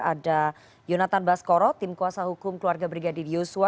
ada yonatan baskoro tim kuasa hukum keluarga brigadir yosua